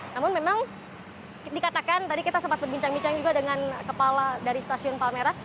namun memang dikatakan tadi kita sempat berbincang bincang juga dengan kepala dari stasiun palmerah